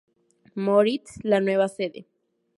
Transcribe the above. Moritz la nueva sede.